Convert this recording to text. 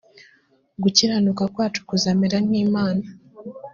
gukiranuka kwacu kuzamera nkimana